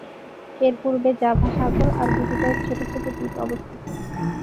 এর পূর্বে জাভা সাগর আর গুটিকয়েক ছোট ছোট দ্বীপ অবস্থিত।